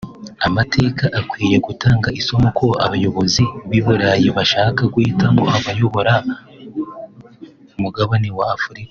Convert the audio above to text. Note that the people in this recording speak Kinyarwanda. Amateka akwiye gutanga isomo ko abayobozi b’i Burayi bashaka guhitamo abayobora umugabane wa Afurika